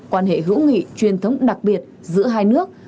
quan hệ hữu nghị truyền thống đặc biệt giữa hai nước